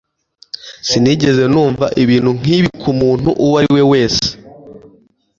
Sinigeze numva ibintu nkibi ku muntu uwo ari we wese